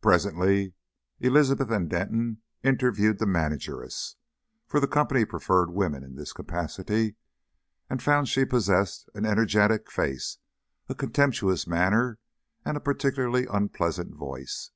Presently Elizabeth and then Denton interviewed the manageress for the Company preferred women in this capacity and found she possessed an energetic face, a contemptuous manner, and a particularly unpleasant voice.